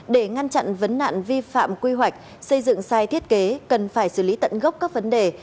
để ngăn chặn vấn nạn vi phạm quy hoạch xây dựng sai thiết kế cần phải xử lý tận gốc các vấn đề